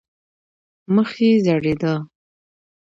مخ یې زېړېده.